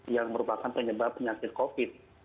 yang merupakan penyebab penyakit covid